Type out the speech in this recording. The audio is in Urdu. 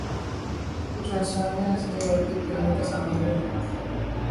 کچھ ہنسنے ہنسانے اور دل بہلانے کا سامان ہو۔